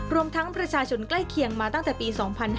รวมทั้งประชาชนใกล้เคียงมาตั้งแต่ปี๒๕๕๙